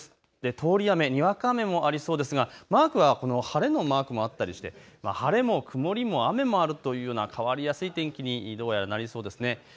通り雨、にわか雨もありそうですがマークは晴れのマークもあったりして晴れも曇りも雨もあるというような変わりやすい天気にどうやらなりそうです。